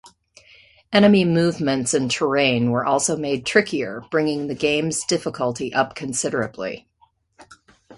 Enemy movements and terrain were also made trickier, bringing the game's difficulty up considerably.